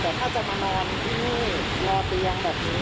แต่ถ้าจะมานอนที่นี่นอนเตียงแบบนี้